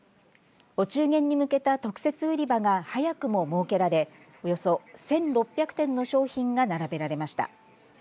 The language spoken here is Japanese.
お中元に向けた特設売り場が早くも設けられおよそ１６００点の商品が並べられました。